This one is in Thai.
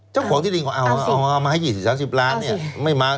เจ้าของที่ดินงี้ก็เอามาให้๒๐๓๐ล้าน